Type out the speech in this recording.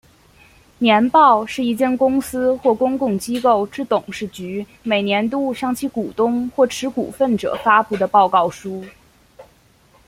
年报是一间公司或公共机构之董事局每年度向其股东或持份者发布的报告书。